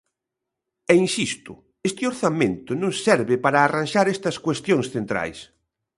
E insisto: este orzamento non serve para arranxar estas cuestións centrais.